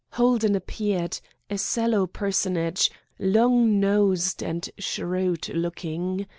Holden appeared, a sallow personage, long nosed and shrewd looking.